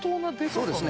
そうですね